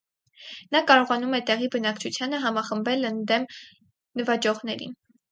Նա կարողանում է տեղի բնակչությանը համախմբել ընդդեմ նվաճողների։